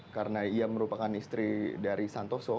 karena ia merupakan istri dari santoso